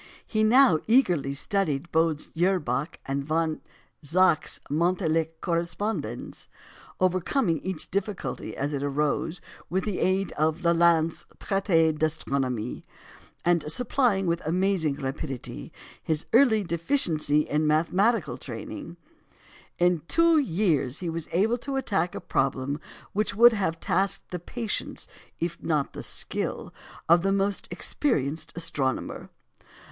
He now eagerly studied Bode's Jahrbuch and Von Zach's Monatliche Correspondenz, overcoming each difficulty as it arose with the aid of Lalande's Traité d'Astronomie, and supplying, with amazing rapidity, his early deficiency in mathematical training. In two years he was able to attack a problem which would have tasked the patience, if not the skill, of the most experienced astronomer.